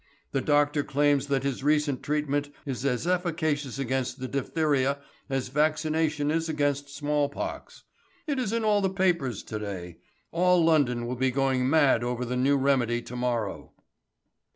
The doctor claims that his recent treatment is as efficacious against the diphtheria as vaccination is against smallpox. It is in all the papers to day. All London will be going mad over the new remedy to morrow."